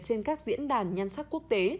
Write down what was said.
trên các diễn đàn nhân sắc quốc tế